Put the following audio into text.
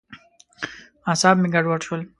اعصاب مې ګډوډ شول.